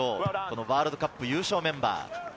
ワールドカップ優勝メンバー。